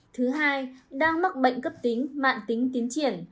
thứ hai đang mắc bệnh cấp tính mạng tính tiến triển